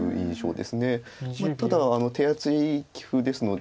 ただ手厚い棋風ですので。